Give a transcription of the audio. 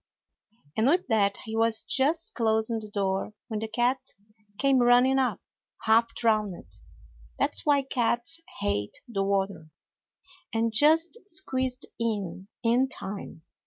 And with that he was just closing the door when the cat came running up, half drowned that's why cats hate the water and just squeezed in, in time.